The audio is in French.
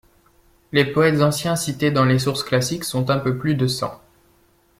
Les poètes anciens cités dans les sources classiques sont un peu plus de cent.